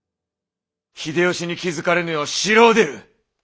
秀吉に気付かれぬよう城を出る！